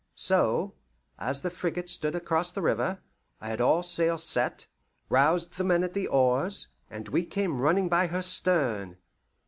So, as the frigate stood across the river, I had all sail set, roused the men at the oars, and we came running by her stern.